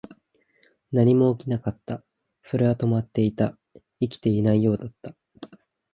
何も起きなかった。それは止まっていた。生きていないようだった。